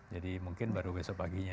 jadi mungkin baru besok paginya